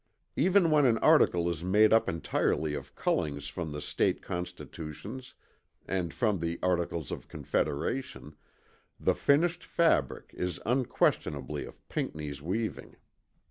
Even when an article is made up entirely of cullings from State constitutions and from the Articles of Confederation, the finished fabric is unquestionably of Pinckney's weaving.